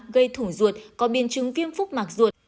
gây thủ ruột có biên chứng viêm phúc mạc ruột